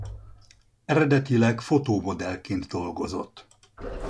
Eredetileg fotómodellként dolgozott.